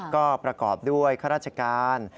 ก็ประกอบด้วยข้าราชการ